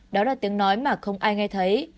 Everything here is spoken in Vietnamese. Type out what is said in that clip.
đó là tiếng nói mà không ai nghe thấy